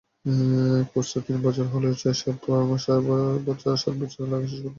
কোর্সটা তিন বছরের হলেও, ছয় সাত বছর লাগে শেষ করতে।